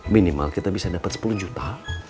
minimal kita bisa dapat sepuluh juta